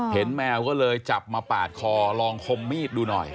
แมวก็เลยจับมาปาดคอลองคมมีดดูหน่อย